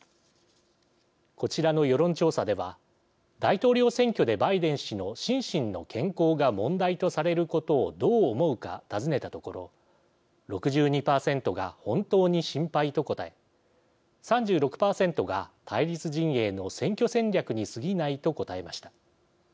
こちらの世論調査では大統領選挙でバイデン氏の心身の健康が問題とされることをどう思うか尋ねたところ６２％が本当に心配と答え３６％が対立陣営の選挙戦略にすぎないと答えました。